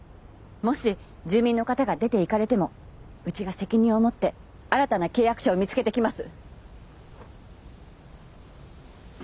もし住民の方が出て行かれてもうちが責任を持って新たな契約者を見つけてきます。